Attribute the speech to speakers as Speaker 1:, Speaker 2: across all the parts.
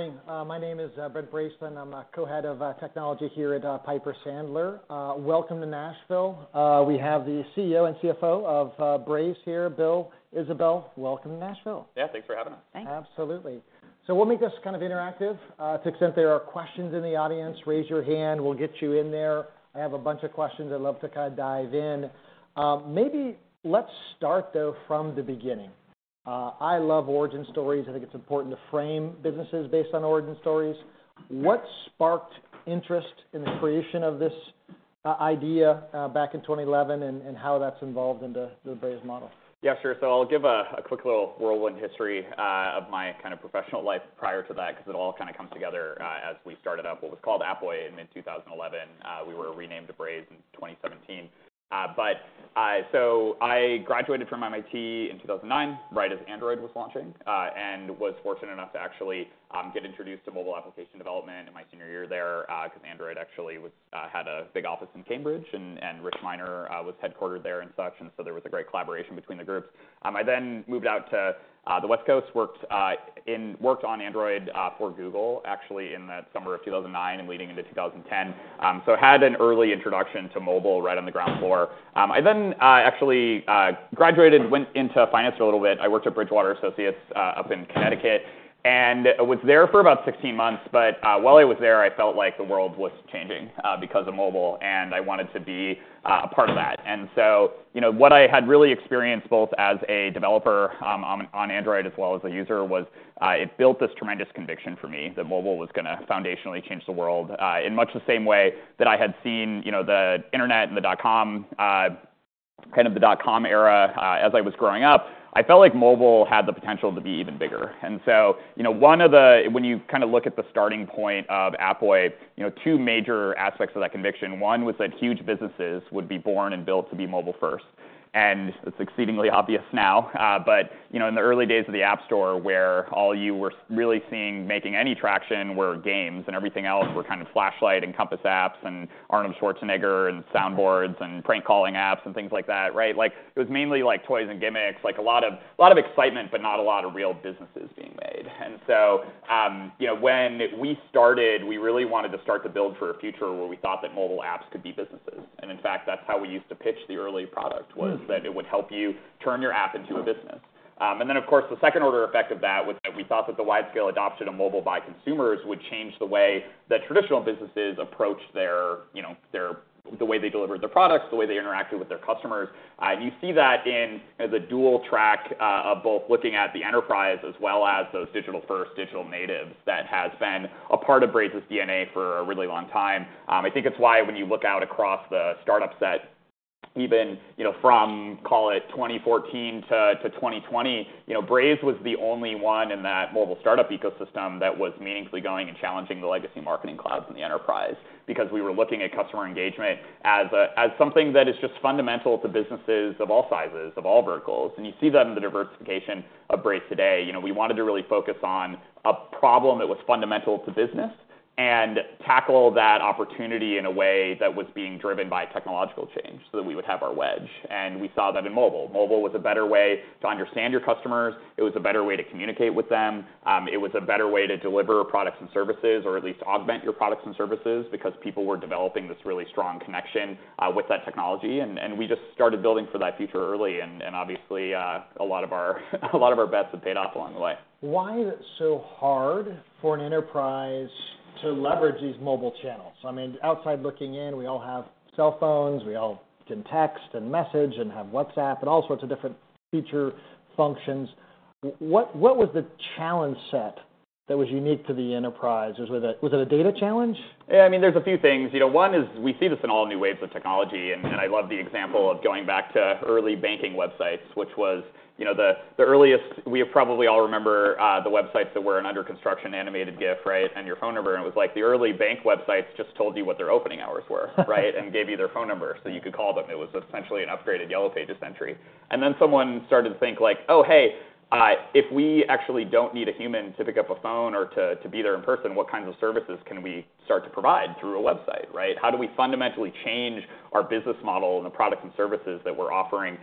Speaker 1: Morning. My name is Brent Bracelin. I'm a co-head of technology here at Piper Sandler. Welcome to Nashville. We have the CEO and CFO of Braze here, Bill, Isabelle. Welcome to Nashville!
Speaker 2: Yeah, thanks for having us.
Speaker 3: Thanks.
Speaker 1: Absolutely. So we'll make this kind of interactive. To the extent there are questions in the audience, raise your hand, we'll get you in there. I have a bunch of questions I'd love to kind of dive in. Maybe let's start, though, from the beginning. I love origin stories. I think it's important to frame businesses based on origin stories. What sparked interest in the creation of this idea back in 2011, and how that's involved in the Braze model?
Speaker 2: Yeah, sure. So I'll give a quick little whirlwind history of my kind of professional life prior to that, 'cause it all kind of comes together as we started up what was called Appboy in mid-2011. We were renamed to Braze in 2017. But so I graduated from MIT in 2009, right as Android was launching and was fortunate enough to actually get introduced to mobile application development in my senior year there, 'cause Android actually had a big office in Cambridge, and Rich Miner was headquartered there and such, and so there was a great collaboration between the groups. I then moved out to the West Coast, worked on Android for Google, actually in the summer of 2009 and leading into 2010. So had an early introduction to mobile right on the ground floor. I then actually graduated, went into finance for a little bit. I worked at Bridgewater Associates up in Connecticut, and was there for about 16 months. But while I was there, I felt like the world was changing because of mobile, and I wanted to be a part of that. And so, you know, what I had really experienced, both as a developer on Android as well as a user, was it built this tremendous conviction for me that mobile was gonna foundationally change the world. In much the same way that I had seen, you know, the internet and the dot-com, kind of the dot-com era, as I was growing up. I felt like mobile had the potential to be even bigger. And so, you know, one of the, when you kind of look at the starting point of Appboy, you know, two major aspects of that conviction: One was that huge businesses would be born and built to be mobile first. And it's exceedingly obvious now, but, you know, in the early days of the App Store, where all you were really seeing making any traction were games, and everything else were kind of flashlight and compass apps, and Arnold Schwarzenegger, and soundboards, and prank calling apps, and things like that, right? Like, it was mainly like toys and gimmicks, like a lot of, lot of excitement, but not a lot of real businesses being made. And so, you know, when we started, we really wanted to start to build for a future where we thought that mobile apps could be businesses. And in fact, that's how we used to pitch the early product-
Speaker 1: Hmm...
Speaker 2: was that it would help you turn your app into a business. And then, of course, the second order effect of that was that we thought that the widescale adoption of mobile by consumers would change the way that traditional businesses approached their, you know, the way they delivered their products, the way they interacted with their customers. You see that in the dual track of both looking at the enterprise as well as those digital first, digital natives, that has been a part of Braze's DNA for a really long time. I think it's why when you look out across the startup set, even, you know, from, call it 2014 to 2020, you know, Braze was the only one in that mobile startup ecosystem that was meaningfully going and challenging the legacy marketing clouds in the enterprise. Because we were looking at customer engagement as a, as something that is just fundamental to businesses of all sizes, of all verticals, and you see that in the diversification of Braze today. You know, we wanted to really focus on a problem that was fundamental to business and tackle that opportunity in a way that was being driven by technological change, so that we would have our wedge, and we saw that in mobile. Mobile was a better way to understand your customers, it was a better way to communicate with them, it was a better way to deliver products and services, or at least augment your products and services, because people were developing this really strong connection, with that technology. And we just started building for that future early, and obviously, a lot of our bets have paid off along the way.
Speaker 1: Why is it so hard for an enterprise to leverage these mobile channels? I mean, outside looking in, we all have cell phones, we all can text, and message, and have WhatsApp, and all sorts of different feature functions. What was the challenge set that was unique to the enterprise? Was it a, was it a data challenge?
Speaker 2: Yeah, I mean, there's a few things. You know, one is we see this in all new waves of technology, and I love the example of going back to early banking websites, which was, you know, the earliest. We probably all remember the websites that were an under construction animated GIF, right? And your phone number, and it was like the early bank websites just told you what their opening hours were, right, and gave you their phone number, so you could call them. It was essentially an upgraded Yellow Pages entry. And then someone started to think, like, "Oh, hey, if we actually don't need a human to pick up a phone or to be there in person, what kinds of services can we start to provide through a website, right? How do we fundamentally change our business model and the products and services that we're offering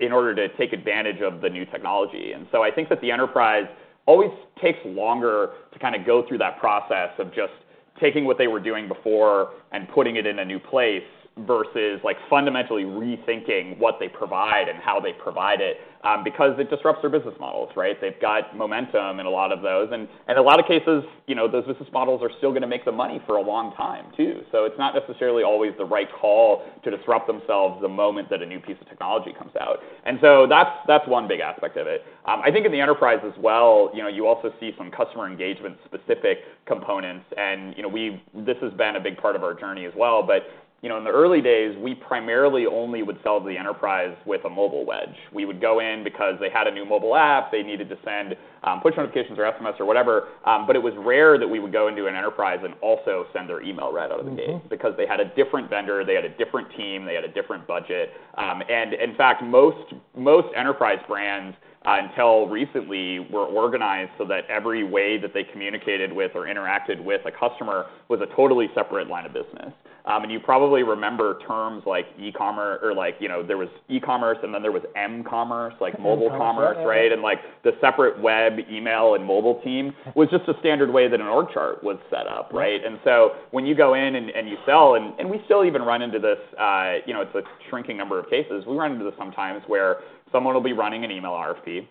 Speaker 2: in order to take advantage of the new technology?" And so I think that the enterprise always takes longer to kind of go through that process of just taking what they were doing before and putting it in a new place, versus, like, fundamentally rethinking what they provide and how they provide it, because it disrupts their business models, right? They've got momentum in a lot of those. And, and a lot of cases, you know, those business models are still gonna make the money for a long time, too. So it's not necessarily always the right call to disrupt themselves the moment that a new piece of technology comes out. And so that's, that's one big aspect of it. I think in the enterprise as well, you know, you also see some customer engagement-specific components, and, you know, we've, this has been a big part of our journey as well. But, you know, in the early days, we primarily only would sell to the enterprise with a mobile wedge. We would go in because they had a new mobile app, they needed to send push notifications or SMS or whatever, but it was rare that we would go into an enterprise and also send their email right out of the gate.
Speaker 1: Mm-hmm.
Speaker 2: Because they had a different vendor, they had a different team, they had a different budget. In fact, most enterprise brands, until recently, were organized so that every way that they communicated with or interacted with a customer was a totally separate line of business. You probably remember terms like e-commerce, or like, you know, there was e-commerce, and then there was m-commerce, like mobile commerce.
Speaker 3: Mm-hmm.
Speaker 2: Right? And, like, the separate web, email, and mobile team was just a standard way that an org chart was set up, right?
Speaker 1: Mm-hmm.
Speaker 2: And so when you go in and you sell, and we still even run into this, you know, it's a shrinking number of cases. We run into this sometimes, where someone will be running an email RFP...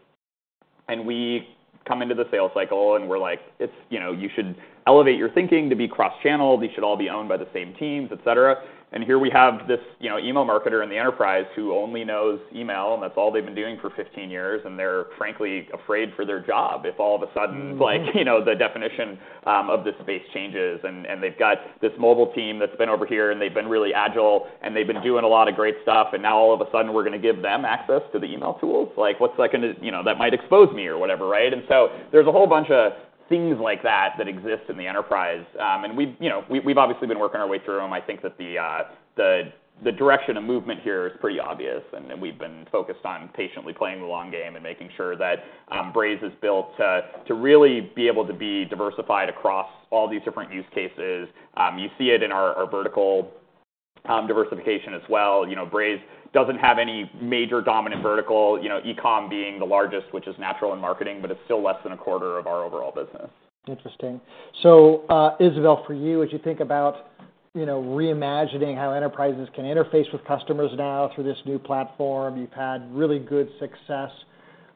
Speaker 2: and we come into the sales cycle, and we're like, it's, you know, you should elevate your thinking to be cross-channel. These should all be owned by the same teams, et cetera. And here we have this, you know, email marketer in the enterprise who only knows email, and that's all they've been doing for 15 years, and they're frankly afraid for their job if all of a sudden-
Speaker 1: Mm.
Speaker 2: like, you know, the definition of the space changes. And they've got this mobile team that's been over here, and they've been really agile, and they've been-
Speaker 1: Yeah...
Speaker 2: doing a lot of great stuff, and now all of a sudden we're gonna give them access to the email tools? Like, what's that gonna... You know, that might expose me or whatever, right? And so there's a whole bunch of things like that that exist in the enterprise. And we've, you know, we've obviously been working our way through them. I think that the direction of movement here is pretty obvious, and we've been focused on patiently playing the long game and making sure that Braze is built to really be able to be diversified across all these different use cases. You see it in our vertical diversification as well. You know, Braze doesn't have any major dominant vertical, you know, e-com being the largest, which is natural in marketing, but it's still less than a quarter of our overall business.
Speaker 1: Interesting. So, Isabelle, for you, as you think about, you know, reimagining how enterprises can interface with customers now through this new platform, you've had really good success,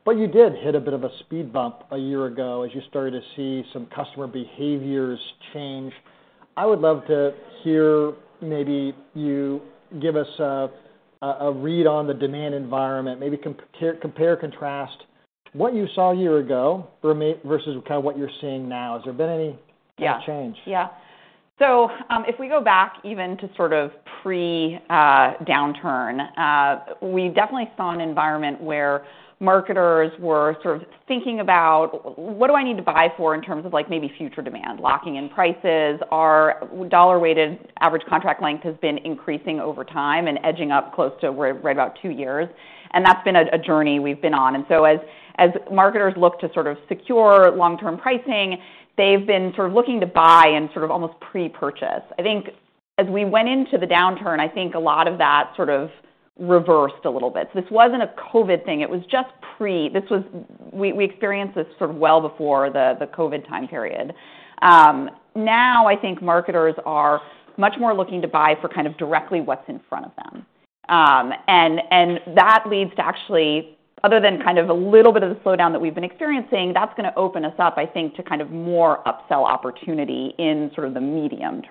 Speaker 1: but you did hit a bit of a speed bump a year ago as you started to see some customer behaviors change. I would love to hear maybe you give us a read on the demand environment. Maybe compare, contrast what you saw a year ago versus kind of what you're seeing now. Has there been any-
Speaker 3: Yeah...
Speaker 1: change?
Speaker 3: Yeah. So, if we go back even to sort of pre-downturn, we've definitely saw an environment where marketers were sort of thinking about, what do I need to buy for in terms of, like, maybe future demand, locking in prices? Our dollar-weighted average contract length has been increasing over time and edging up close to over right about two years, and that's been a journey we've been on. So as marketers look to sort of secure long-term pricing, they've been sort of looking to buy and sort of almost pre-purchase. I think as we went into the downturn, I think a lot of that sort of reversed a little bit. This wasn't a COVID thing. It was just pre... This was - we experienced this sort of well before the COVID time period. Now I think marketers are much more looking to buy for kind of directly what's in front of them. That leads to actually, other than kind of a little bit of the slowdown that we've been experiencing, that's gonna open us up, I think, to kind of more upsell opportunity in sort of the medium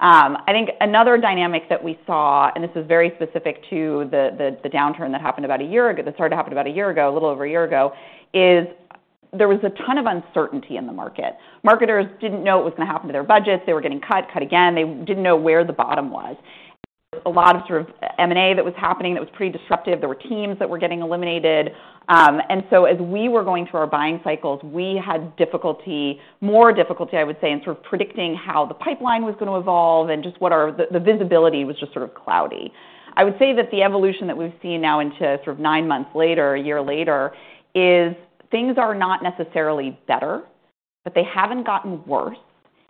Speaker 3: term. I think another dynamic that we saw, and this is very specific to the downturn that happened about a year ago, that started to happen about a year ago, a little over a year ago, is there was a ton of uncertainty in the market. Marketers didn't know what was gonna happen to their budgets. They were getting cut, cut again. They didn't know where the bottom was. A lot of sort of M&A that was happening that was pretty disruptive. There were teams that were getting eliminated. And so as we were going through our buying cycles, we had difficulty, more difficulty, I would say, in sort of predicting how the pipeline was gonna evolve and just what our visibility was just sort of cloudy. I would say that the evolution that we've seen now into sort of nine months later, a year later, is things are not necessarily better, but they haven't gotten worse,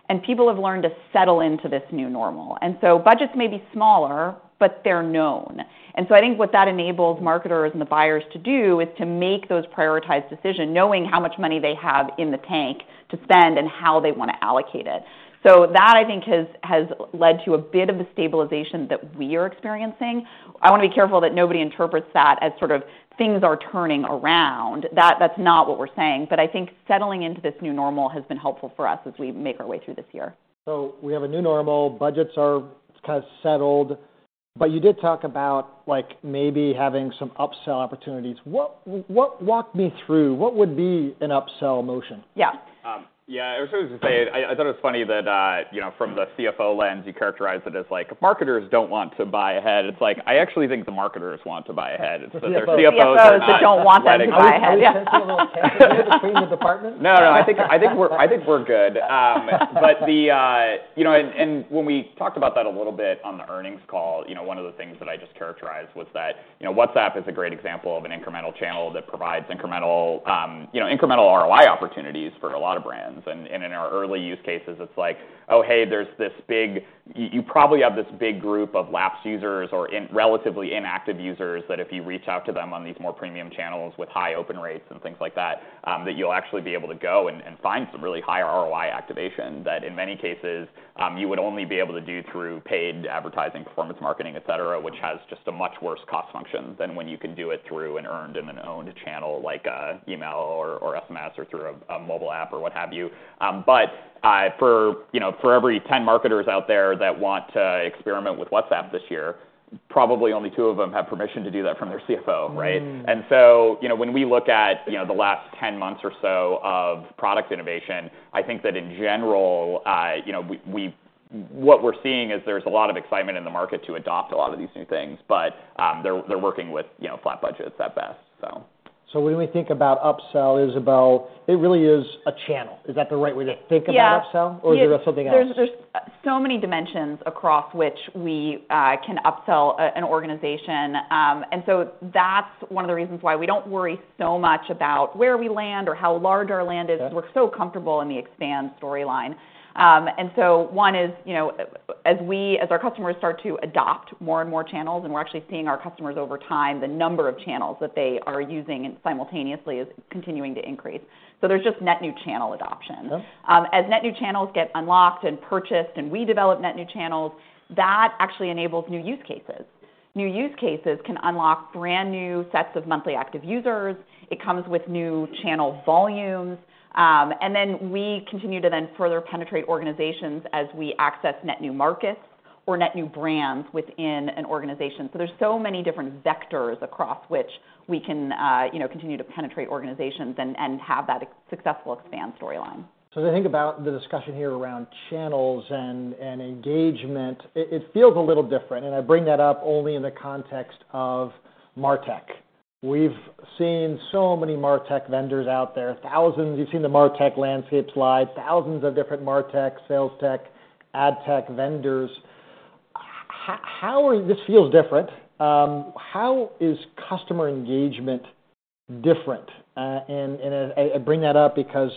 Speaker 3: and people have learned to settle into this new normal. Budgets may be smaller, but they're known. I think what that enables marketers and the buyers to do is to make those prioritized decision, knowing how much money they have in the tank to spend and how they wanna allocate it. So that, I think, has led to a bit of the stabilization that we are experiencing. I wanna be careful that nobody interprets that as sort of things are turning around. That, that's not what we're saying. But I think settling into this new normal has been helpful for us as we make our way through this year.
Speaker 1: We have a new normal. Budgets are kind of settled, but you did talk about, like, maybe having some upsell opportunities. What, walk me through, what would be an upsell motion?
Speaker 3: Yeah.
Speaker 2: Yeah, I was just going to say, I thought it was funny that, you know, from the CFO lens, you characterize it as, like, marketers don't want to buy ahead. It's like, I actually think the marketers want to buy ahead.
Speaker 1: The CFO-
Speaker 2: It's that their CFOs do not-
Speaker 3: CFOs that don't want them to buy ahead, yeah.
Speaker 1: Are we sensing a little tension between the departments?
Speaker 2: No, no, I think, I think we're, I think we're good. But the, you know, and, and when we talked about that a little bit on the earnings call, you know, one of the things that I just characterized was that, you know, WhatsApp is a great example of an incremental channel that provides incremental, you know, incremental ROI opportunities for a lot of brands. And, and in our early use cases, it's like, oh, hey, there's this big... You probably have this big group of lapsed users or in, relatively inactive users, that if you reach out to them on these more premium channels with high open rates and things like that, that you'll actually be able to go and, and find some really high ROI activation. That, in many cases, you would only be able to do through paid advertising, performance marketing, et cetera, which has just a much worse cost function than when you can do it through an earned and an owned channel, like, email or, or SMS or through a, a mobile app or what have you. But, for, you know, for every 10 marketers out there that want to experiment with WhatsApp this year, probably only two of them have permission to do that from their CFO, right?
Speaker 3: Mm.
Speaker 2: So, you know, when we look at the last 10 months or so of product innovation, I think that in general, you know, what we're seeing is there's a lot of excitement in the market to adopt a lot of these new things, but they're working with, you know, flat budgets at best.
Speaker 1: So when we think about upsell, Isabelle, it really is a channel. Is that the right way to think about upsell?
Speaker 3: Yeah.
Speaker 1: Or is there something else?
Speaker 3: There's so many dimensions across which we can upsell an organization. And so that's one of the reasons why we don't worry so much about where we land or how large our land is-
Speaker 1: Yeah...
Speaker 3: we're so comfortable in the expand storyline. So one is, you know, as we, as our customers start to adopt more and more channels, and we're actually seeing our customers over time, the number of channels that they are using and simultaneously is continuing to increase. So there's just net new channel adoption.
Speaker 1: Yeah.
Speaker 3: As net new channels get unlocked and purchased, and we develop net new channels, that actually enables new use cases....
Speaker 2: new use cases can unlock brand new sets of monthly active users. It comes with new channel volumes, and then we continue to then further penetrate organizations as we access net new markets or net new brands within an organization. So there's so many different vectors across which we can, you know, continue to penetrate organizations and, and have that successful expand storyline.
Speaker 1: So as I think about the discussion here around channels and engagement, it feels a little different, and I bring that up only in the context of martech. We've seen so many martech vendors out there, thousands. You've seen the martech landscape slide, thousands of different martech, sales tech, ad tech vendors. This feels different. How is customer engagement different? And I bring that up because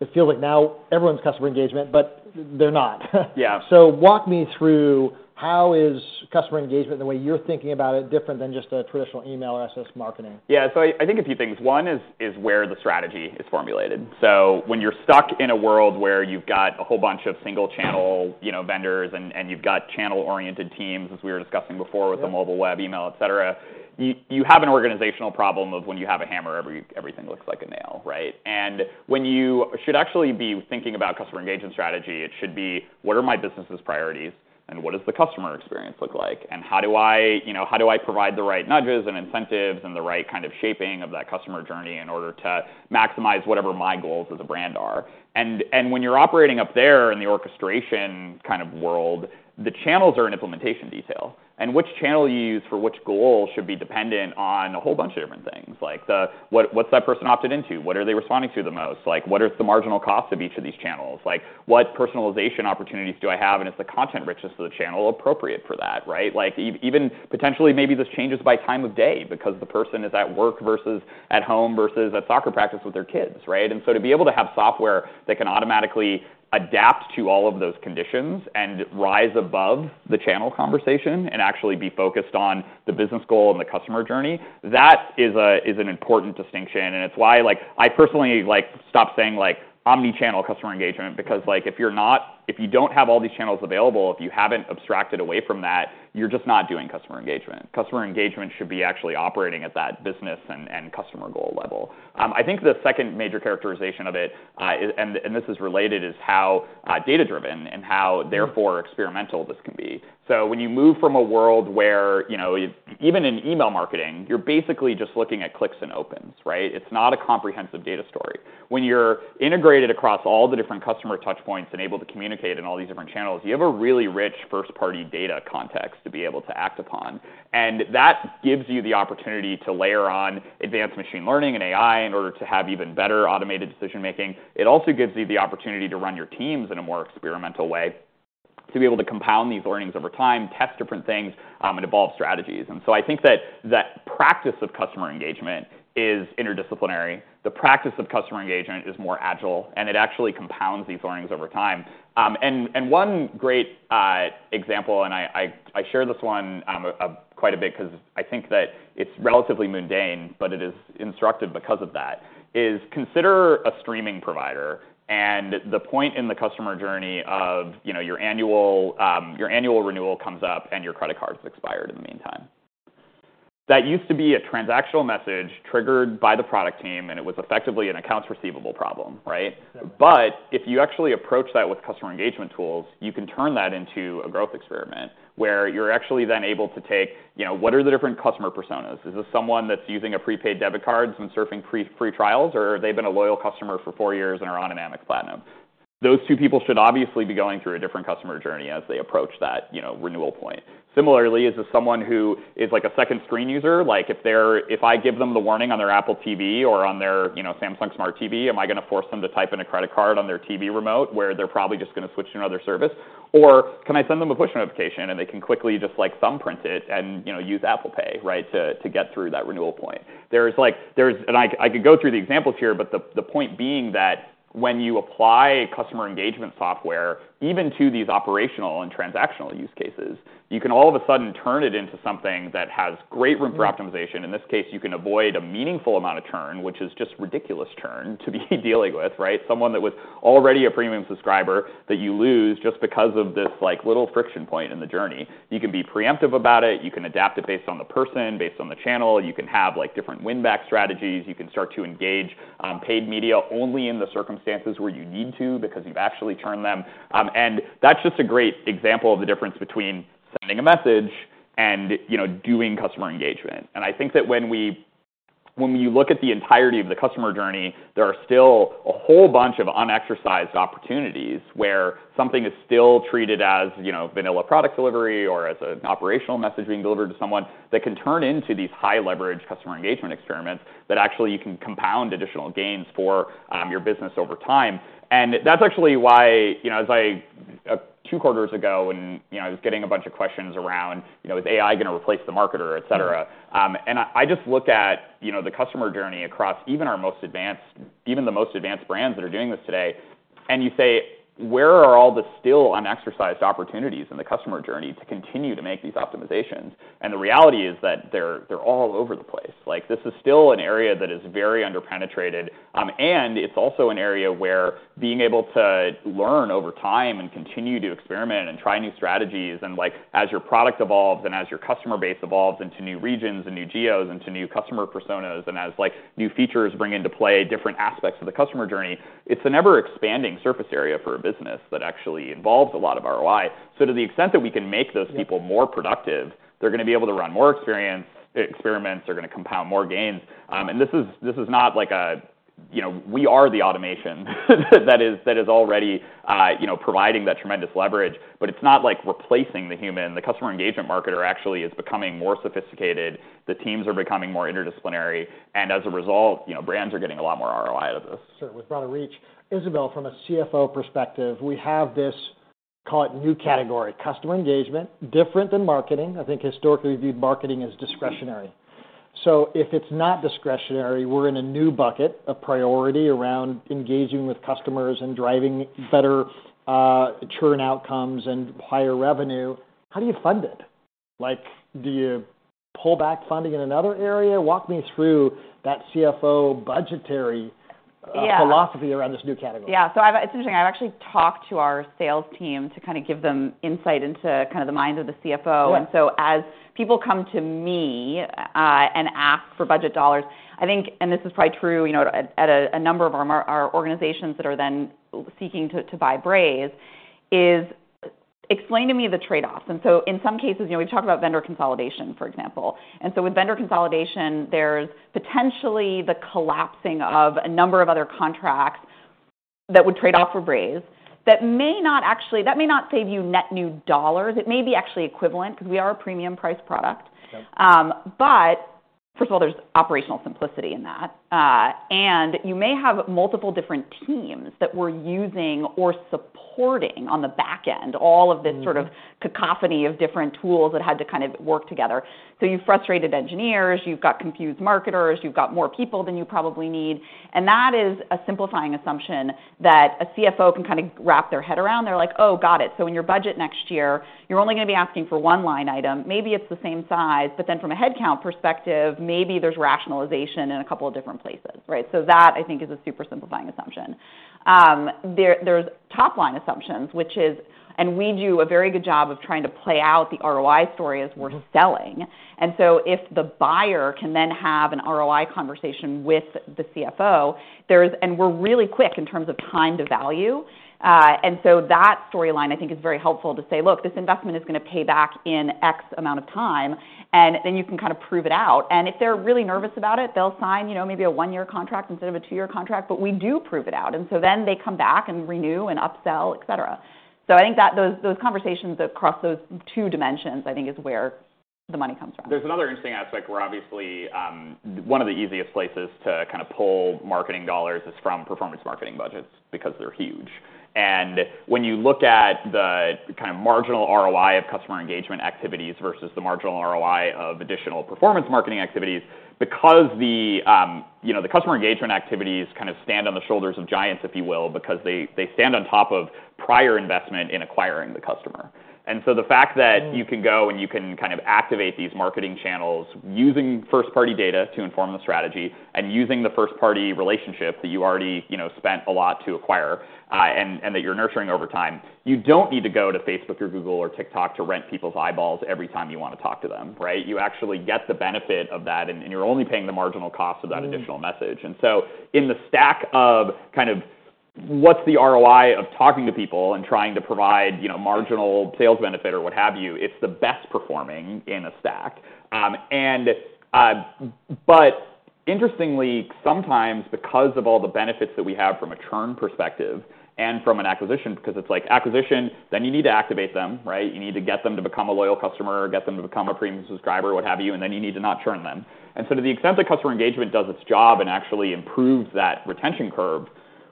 Speaker 1: it feels like now everyone's customer engagement, but they're not.
Speaker 2: Yeah.
Speaker 1: Walk me through how is customer engagement, the way you're thinking about it, different than just a traditional email SMS marketing?
Speaker 2: Yeah. So I think a few things. One is where the strategy is formulated. So when you're stuck in a world where you've got a whole bunch of single channel, you know, vendors and you've got channel-oriented teams, as we were discussing before-
Speaker 1: Right...
Speaker 2: with the mobile web, email, et cetera, you have an organizational problem of when you have a hammer, everything looks like a nail, right? And when you should actually be thinking about customer engagement strategy, it should be: what are my business's priorities, and what does the customer experience look like? And how do I, you know, how do I provide the right nudges and incentives and the right kind of shaping of that customer journey in order to maximize whatever my goals as a brand are? And when you're operating up there in the orchestration kind of world, the channels are an implementation detail, and which channel you use for which goal should be dependent on a whole bunch of different things. Like, what’s that person opted into? What are they responding to the most? Like, what is the marginal cost of each of these channels? Like, what personalization opportunities do I have, and is the content richness of the channel appropriate for that, right? Like, even potentially, maybe this changes by time of day because the person is at work versus at home versus at soccer practice with their kids, right? And so to be able to have software that can automatically adapt to all of those conditions and rise above the channel conversation and actually be focused on the business goal and the customer journey, that is an important distinction, and it's why, like, I personally, like, stopped saying, like, omni-channel customer engagement because, like, if you're not, if you don't have all these channels available, if you haven't abstracted away from that, you're just not doing customer engagement. Customer engagement should be actually operating at that business and customer goal level. I think the second major characterization of it, and this is related, is how data-driven and how therefore experimental this can be. So when you move from a world where, you know, even in email marketing, you're basically just looking at clicks and opens, right? It's not a comprehensive data story. When you're integrated across all the different customer touch points and able to communicate in all these different channels, you have a really rich first-party data context to be able to act upon, and that gives you the opportunity to layer on advanced machine learning and AI in order to have even better automated decision-making. It also gives you the opportunity to run your teams in a more experimental way, to be able to compound these learnings over time, test different things, and evolve strategies. And so I think that that practice of customer engagement is interdisciplinary. The practice of customer engagement is more agile, and it actually compounds these learnings over time. And one great example, and I share this one quite a bit because I think that it's relatively mundane, but it is instructive because of that, is consider a streaming provider and the point in the customer journey of, you know, your annual, your annual renewal comes up and your credit card's expired in the meantime. That used to be a transactional message triggered by the product team, and it was effectively an accounts receivable problem, right?
Speaker 1: Yeah.
Speaker 2: But if you actually approach that with customer engagement tools, you can turn that into a growth experiment where you're actually then able to take, you know, what are the different customer personas? Is this someone that's using a prepaid debit card and surfing free, free trials, or have they been a loyal customer for four years and are on Amazon Platinum? Those two people should obviously be going through a different customer journey as they approach that, you know, renewal point. Similarly, is this someone who is like a second screen user? Like, if I give them the warning on their Apple TV or on their, you know, Samsung Smart TV, am I gonna force them to type in a credit card on their TV remote, where they're probably just gonna switch to another service? Or can I send them a push notification and they can quickly just, like, thumbprint it and, you know, use Apple Pay, right, to, to get through that renewal point? There's... And I could go through the examples here, but the point being that when you apply customer engagement software, even to these operational and transactional use cases, you can all of a sudden turn it into something that has great room-
Speaker 1: Mm-hmm...
Speaker 2: for optimization. In this case, you can avoid a meaningful amount of churn, which is just ridiculous churn to be dealing with, right? Someone that was already a premium subscriber that you lose just because of this, like, little friction point in the journey. You can be preemptive about it. You can adapt it based on the person, based on the channel. You can have, like, different win-back strategies. You can start to engage, paid media only in the circumstances where you need to because you've actually turned them. And that's just a great example of the difference between sending a message and, you know, doing customer engagement. I think that when we, when you look at the entirety of the customer journey, there are still a whole bunch of unexercised opportunities where something is still treated as, you know, vanilla product delivery or as an operational message being delivered to someone, that can turn into these high-leverage customer engagement experiments that actually you can compound additional gains for your business over time. That's actually why, you know, as I two quarters ago, you know, I was getting a bunch of questions around, you know, is AI gonna replace the marketer, et cetera? I just look at, you know, the customer journey across even the most advanced brands that are doing this today, and you say, where are all the still unexercised opportunities in the customer journey to continue to make these optimizations? The reality is that they're all over the place. Like, this is still an area that is very under-penetrated, and it's also an area where being able to learn over time and continue to experiment and try new strategies, and, like, as your product evolves and as your customer base evolves into new regions and new geos, into new customer personas, and as, like, new features bring into play different aspects of the customer journey, it's an ever-expanding surface area for a business that actually involves a lot of ROI. So to the extent that we can make those people-
Speaker 1: Yeah
Speaker 2: More productive, they're gonna be able to run more experiences, experiments, they're gonna compound more gains. And this is, this is not like a, you know, we are the automation that is, that is already, you know, providing that tremendous leverage, but it's not like replacing the human. The customer engagement marketer actually is becoming more sophisticated. The teams are becoming more interdisciplinary, and as a result, you know, brands are getting a lot more ROI out of this.
Speaker 1: Sure, with broader reach. Isabelle, from a CFO perspective, we have this, call it new category, customer engagement, different than marketing. I think historically, we viewed marketing as discretionary. So if it's not discretionary, we're in a new bucket, a priority around engaging with customers and driving better churn outcomes and higher revenue. How do you fund it? Like, do you pull back funding in another area? Walk me through that CFO budgetary-
Speaker 3: Yeah...
Speaker 1: philosophy around this new category.
Speaker 3: Yeah, so it's interesting. I've actually talked to our sales team to kind of give them insight into kind of the mind of the CFO.
Speaker 1: Yeah.
Speaker 3: And so as people come to me and ask for budget dollars, I think, and this is probably true, you know, at a number of our organizations that are then seeking to buy Braze, is, "Explain to me the trade-offs." And so in some cases, you know, we've talked about vendor consolidation, for example. And so with vendor consolidation, there's potentially the collapsing of a number of other contracts that would trade off for Braze that may not actually—that may not save you net new dollars. It may be actually equivalent, 'cause we are a premium price product.
Speaker 1: Yep.
Speaker 3: But first of all, there's operational simplicity in that. And you may have multiple different teams that were using or supporting, on the back end, all of this-
Speaker 1: Mm-hmm...
Speaker 3: sort of cacophony of different tools that had to kind of work together. So you've frustrated engineers, you've got confused marketers, you've got more people than you probably need, and that is a simplifying assumption that a CFO can kind of wrap their head around. They're like: "Oh, got it. So in your budget next year, you're only gonna be asking for one line item. Maybe it's the same size, but then from a head count perspective, maybe there's rationalization in a couple of different places," right? So that, I think, is a super simplifying assumption. There's top-line assumptions, which is... And we do a very good job of trying to play out the ROI story as we're selling.
Speaker 1: Mm-hmm.
Speaker 3: And so if the buyer can then have an ROI conversation with the CFO, there's-- And we're really quick in terms of time to value. And so that storyline, I think, is very helpful to say, "Look, this investment is gonna pay back in X amount of time," and then you can kind of prove it out. And if they're really nervous about it, they'll sign, you know, maybe a one-year contract instead of a two-year contract, but we do prove it out. And so then they come back and renew and upsell, et cetera. So I think that those, those conversations across those two dimensions, I think, is where the money comes from.
Speaker 2: There's another interesting aspect, where obviously, one of the easiest places to kind of pull marketing dollars is from performance marketing budgets, because they're huge. And when you look at the kind of marginal ROI of customer engagement activities versus the marginal ROI of additional performance marketing activities, because the, you know, the customer engagement activities kind of stand on the shoulders of giants, if you will, because they, they stand on top of prior investment in acquiring the customer. And so the fact that-
Speaker 3: Mm...
Speaker 2: you can go and you can kind of activate these marketing channels using first-party data to inform the strategy, and using the first-party relationship that you already, you know, spent a lot to acquire, and, and that you're nurturing over time, you don't need to go to Facebook or Google or TikTok to rent people's eyeballs every time you wanna talk to them, right? You actually get the benefit of that, and, and you're only paying the marginal cost of that additional message.
Speaker 3: Mm.
Speaker 2: In the stack of, kind of, what's the ROI of talking to people and trying to provide, you know, marginal sales benefit or what have you, it's the best performing in a stack. But interestingly, sometimes because of all the benefits that we have from a churn perspective and from an acquisition... Because it's like acquisition, then you need to activate them, right? You need to get them to become a loyal customer or get them to become a premium subscriber, what have you, and then you need to not churn them. And so to the extent that customer engagement does its job and actually improves that retention curve,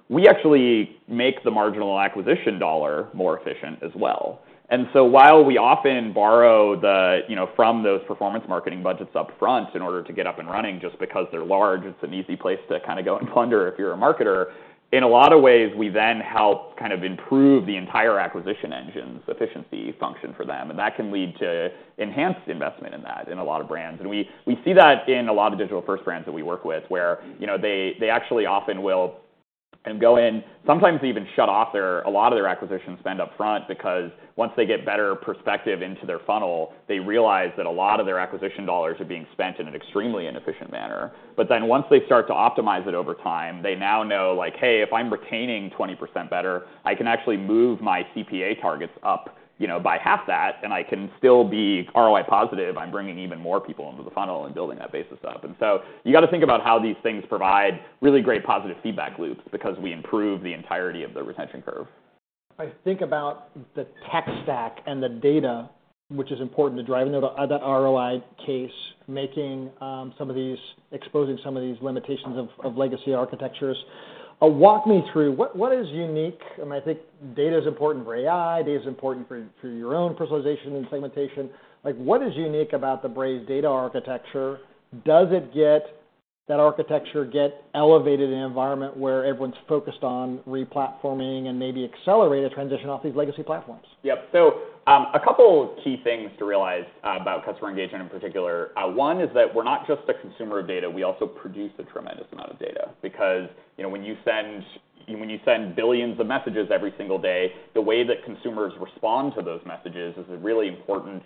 Speaker 2: we actually make the marginal acquisition dollar more efficient as well. And so while we often borrow the, you know, from those performance marketing budgets up front in order to get up and running, just because they're large, it's an easy place to kind of go and plunder if you're a marketer. In a lot of ways, we then help kind of improve the entire acquisition engine's efficiency function for them. And that can lead to enhanced investment in that in a lot of brands. And we see that in a lot of digital-first brands that we work with, where, you know, they actually often will go in, sometimes even shut off their, a lot of their acquisition spend up front, because once they get better perspective into their funnel, they realize that a lot of their acquisition dollars are being spent in an extremely inefficient manner. But then, once they start to optimize it over time, they now know, like: Hey, if I'm retaining 20% better, I can actually move my CPA targets up, you know, by half that, and I can still be ROI positive. I'm bringing even more people into the funnel and building that base of stuff. And so you gotta think about how these things provide really great positive feedback loops, because we improve the entirety of the retention curve.
Speaker 1: I think about the tech stack and the data, which is important to driving that ROI case, making some of these, exposing some of these limitations of legacy architectures. Walk me through, what is unique? I mean, I think data is important for AI, data is important for your own personalization and segmentation. Like, what is unique about the Braze data architecture? Does that architecture get elevated in an environment where everyone's focused on re-platforming and maybe accelerate a transition off these legacy platforms?
Speaker 2: Yep. So, a couple of key things to realize about customer engagement in particular. One is that we're not just a consumer of data, we also produce a tremendous amount of data. Because, you know, when you send billions of messages every single day, the way that consumers respond to those messages is a really important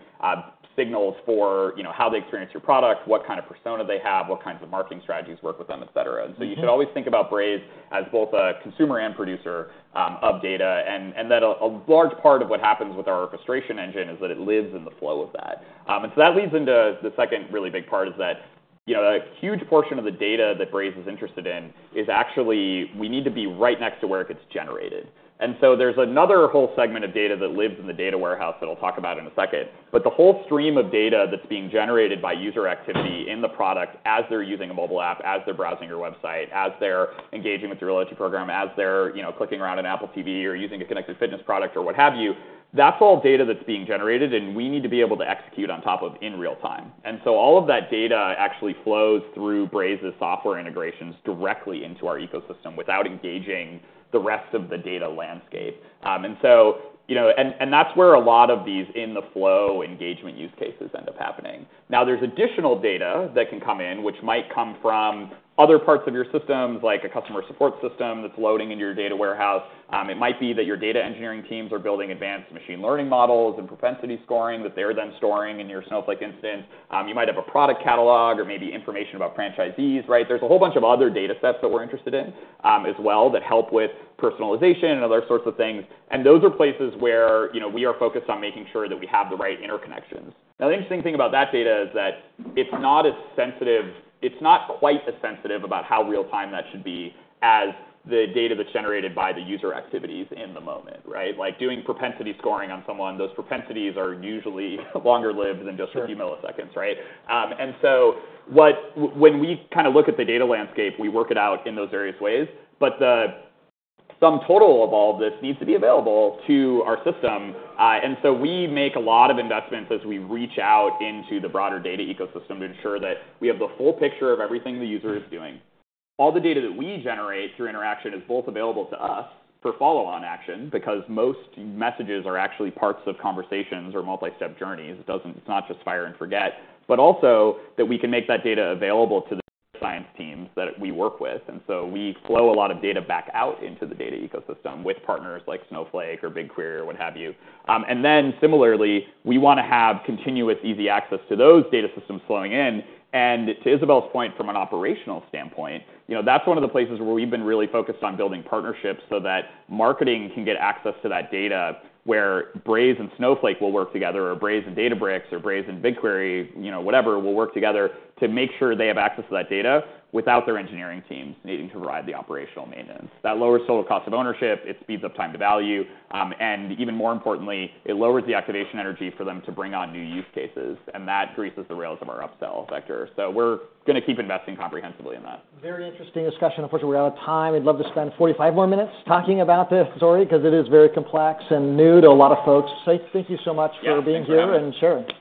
Speaker 2: signal for, you know, how they experience your product, what kind of persona they have, what kinds of marketing strategies work with them, et cetera.
Speaker 1: Mm-hmm.
Speaker 2: And so you should always think about Braze as both a consumer and producer of data. And that a large part of what happens with our orchestration engine is that it lives in the flow of that. And so that leads into the second really big part, is that, you know, a huge portion of the data that Braze is interested in is actually we need to be right next to where it gets generated. And so there's another whole segment of data that lives in the data warehouse that I'll talk about in a second. But the whole stream of data that's being generated by user activity in the product, as they're using a mobile app, as they're browsing your website, as they're engaging with your loyalty program, as they're, you know, clicking around on Apple TV or using a connected fitness product or what have you, that's all data that's being generated, and we need to be able to execute on top of in real time. And so all of that data actually flows through Braze's software integrations directly into our ecosystem without engaging the rest of the data landscape. And so, you know. And that's where a lot of these in-the-flow engagement use cases end up happening. Now, there's additional data that can come in, which might come from other parts of your systems, like a customer support system that's loading into your data warehouse. It might be that your data engineering teams are building advanced machine learning models and propensity scoring, that they're then storing in your Snowflake instance. You might have a product catalog or maybe information about franchisees, right? There's a whole bunch of other data sets that we're interested in, as well, that help with personalization and other sorts of things. And those are places where, you know, we are focused on making sure that we have the right interconnections. Now, the interesting thing about that data is that it's not as sensitive. It's not quite as sensitive about how real time that should be as the data that's generated by the user activities in the moment, right? Like, doing propensity scoring on someone, those propensities are usually longer lived than just-
Speaker 1: Sure...
Speaker 2: a few milliseconds, right? And so what when we kind of look at the data landscape, we work it out in those various ways. But the sum total of all this needs to be available to our system. And so we make a lot of investments as we reach out into the broader data ecosystem to ensure that we have the full picture of everything the user is doing. All the data that we generate through interaction is both available to us for follow-on action, because most messages are actually parts of conversations or multi-step journeys. It doesn't, it's not just fire and forget. But also, that we can make that data available to the science teams that we work with, and so we flow a lot of data back out into the data ecosystem with partners like or what have you. And then similarly, we wanna have continuous, easy access to those data systems flowing in. And to Isabelle's point, from an operational standpoint, you know, that's one of the places where we've been really focused on building partnerships so that marketing can get access to that data, where Braze and Snowflake will work together, or Braze and Databricks, or Braze and BigQuery, you know, whatever, will work together to make sure they have access to that data without their engineering teams needing to provide the operational maintenance. That lowers total cost of ownership, it speeds up time to value, and even more importantly, it lowers the activation energy for them to bring on new use cases, and that increases the rails of our upsell vector. So we're gonna keep investing comprehensively in that.
Speaker 1: Very interesting discussion. Unfortunately, we're out of time. We'd love to spend 45 more minutes talking about this story, 'cause it is very complex and new to a lot of folks. So thank you so much for being here-
Speaker 2: Yeah, thanks for having me.
Speaker 1: And sure.